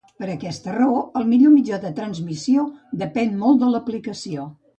Per aquesta raó el millor mitjà de transmissió depèn molt de l'aplicació.